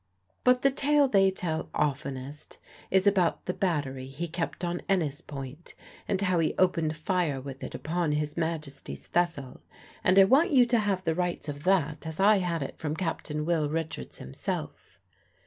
But the tale they tell oftenest is about the battery he kept on Enys Point, and how he opened fire with it upon His Majesty's vessel; and I want you to have the rights of that as I had it from Captain Will Richards himself.